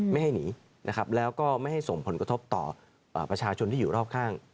ไม่ให้หนีนะครับแล้วก็ไม่ให้ส่งผลกระทบต่อประชาชนที่อยู่รอบข้าง